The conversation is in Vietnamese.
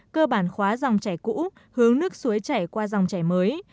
cơ bản khóa dòng chảy cũ hướng nước suối chảy qua dòng chảy mới